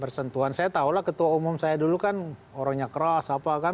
bersentuhan saya tahu lah ketua umum saya dulu kan orangnya keras apa kan